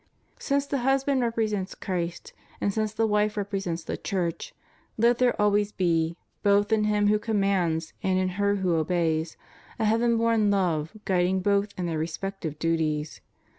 Since the husband represents Christ, and since the wife represents the Church, let there always be, both in him who commands and in her who obeys, a heaven bom love guiding both in their respec tive duties.